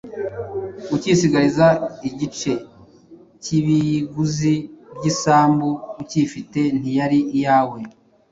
ukisigariza igice cy’ibiguzi by’isambu? Ukiyifite, ntiyari iyawe?